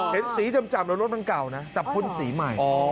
เห็นสีจำหรือรถทั้งเก่านะแต่คนสีใหม่อ๋อ